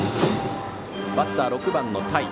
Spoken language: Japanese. バッター、６番の田井。